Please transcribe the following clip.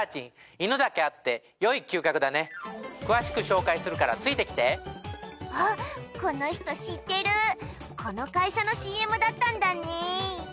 犬だけあって良い嗅覚だね詳しく紹介するからついてきてあっこの人知ってるこの会社のＣＭだったんだね